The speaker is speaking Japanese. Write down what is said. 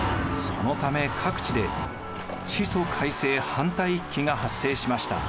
そのため各地で地租改正反対一揆が発生しました。